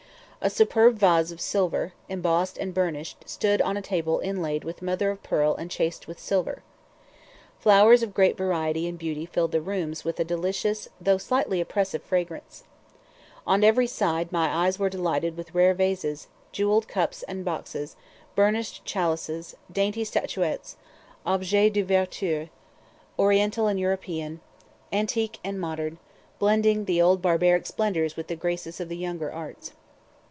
A superb vase of silver, embossed and burnished, stood on a table inlaid with mother of pearl and chased with silver. Flowers of great variety and beauty filled the rooms with a delicious though slightly oppressive fragrance. On every side my eyes were delighted with rare vases, jewelled cups and boxes, burnished chalices, dainty statuettes, objets de virtu, Oriental and European, antique and modern, blending the old barbaric splendors with the graces of the younger arts.